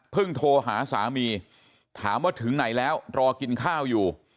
โทรหาสามีถามว่าถึงไหนแล้วรอกินข้าวอยู่